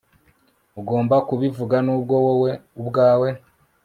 Ugomba kubivuga nubwo wowe ubwawe